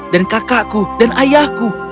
dan kakakku dan ayahku